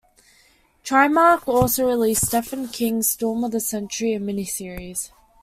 Trimark also released Stephen King's "Storm of the Century", a miniseries.